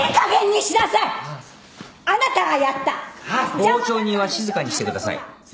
傍聴人は静かにしてください。